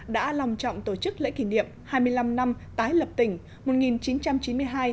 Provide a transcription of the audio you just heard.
đã lòng trọng tổ chức lễ kỷ niệm hai mươi năm năm tái lập tỉnh một nghìn chín trăm chín mươi hai hai nghìn một mươi bảy